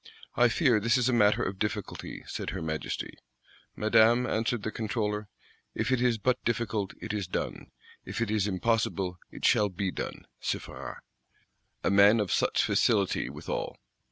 'I fear this is a matter of difficulty,' said her Majesty.—'Madame,' answered the Controller, 'if it is but difficult, it is done, if it is impossible, it shall be done (se fera).' A man of such "facility" withal.